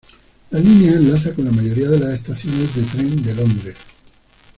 La línea enlaza con la mayoría de las estaciones de tren de Londres.